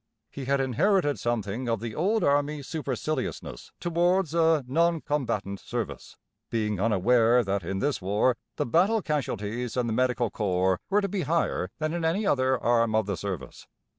He had inherited something of the old army superciliousness towards a "non combatant" service, being unaware that in this war the battle casualties in the medical corps were to be higher than in any other arm of the service.